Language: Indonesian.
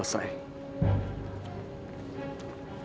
semua sudah selesai